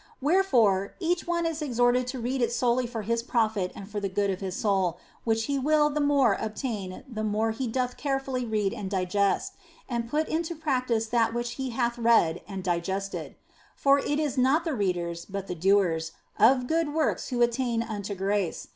Where fore each one is exhorted to read it solely for his profit and PREFACE xliii for the good of his soul, which he will the more obtain the more he doth carefully read and digest, and put into practice that which he hath read and digested. For it is not the readers, but the doers, of good works who attain unto grace.